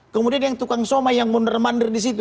kemudian yang tukang somai yang mundur mundur disitu